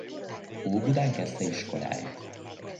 Óbudán kezdte iskoláit.